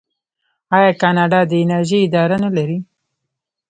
آیا کاناډا د انرژۍ اداره نلري؟